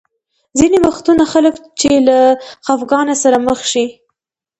ځینې وختونه خلک چې له خفګان سره مخ شي.